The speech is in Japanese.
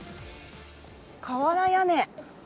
瓦屋根。